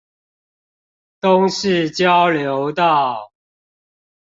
東勢交流道